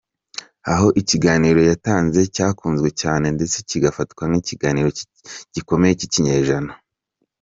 Aho ikiganiro yatanze cyakunzwe cyane ndetse gifatwa nk’ikiganiro gikomeye cy’ikinyejana.